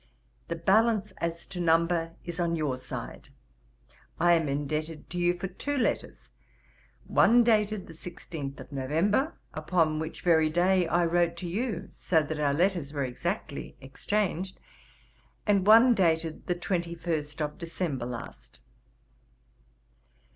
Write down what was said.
The balance, as to number, is on your side. I am indebted to you for two letters; one dated the 16th of November, upon which very day I wrote to you, so that our letters were exactly exchanged, and one dated the 21st of December last.